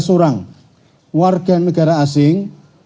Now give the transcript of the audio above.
satu ratus empat belas orang warga negara asing